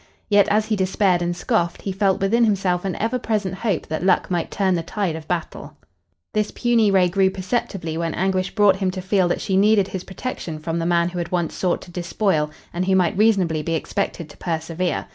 Yet, as he despaired and scoffed, he felt within himself an ever present hope that luck might turn the tide of battle. This puny ray grew perceptibly when Anguish brought him to feel that she needed his protection from the man who had once sought to despoil and who might reasonably be expected to persevere.